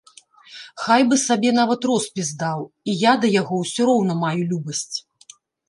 Хай бы сабе нават роспіс даў, і я да яго ўсё роўна маю любасць.